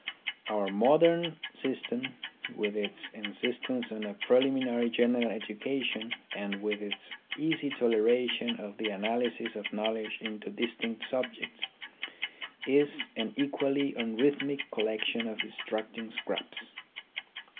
Our modern system, with its insistence on a preliminary general education, and with its easy toleration of the analysis of knowledge into distinct subjects, is an equally unrhythmic collec tion of distracting scraps.